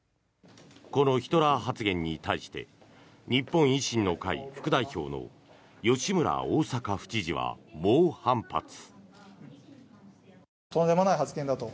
このヒトラー発言に対して日本維新の会副代表の吉村大阪府知事は猛反発。